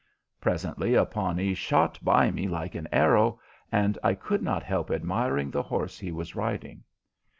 Presently a Pawnee shot by me like an arrow, and I could not help admiring the horse he was riding.